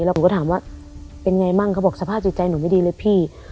แล้วหนูก็ถามว่าเป็นไงบ้างเขาบอกสภาพจิตใจหนูไม่ดีเลยพี่